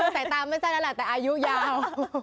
สายตาไม่สั้นอาหารแต่อายุยาว